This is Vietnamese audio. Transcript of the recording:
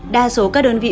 đa số các đơn vị